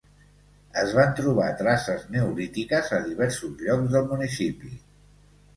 Es van trobar traces neolítiques a diversos llocs del municipi.